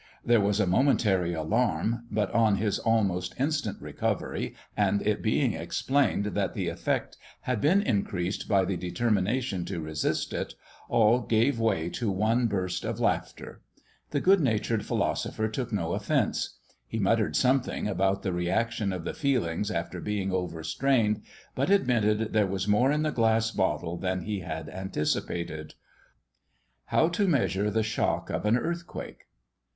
There was a momentary alarm; but, on his almost instant recovery, and it being explained that the effect had been increased by the determination to resist it, all gave way to one burst of laughter. The good natured philosopher took no offence. He muttered something about the reaction of the feelings after being overstrained, but admitted there was more in the glass bottle than he had anticipated. Footnote 5: "Poco di matto" is deemed by the Italians an essential quality in a great man's companion. HOW TO MEASURE THE SHOCK OF AN EARTHQUAKE.